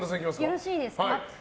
よろしいですか？